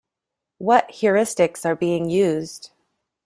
What heuristics are being used?